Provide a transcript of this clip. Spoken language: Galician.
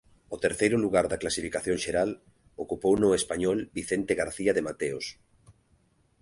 O terceiro lugar da clasificación xeral ocupouno o español Vicente García de Mateos.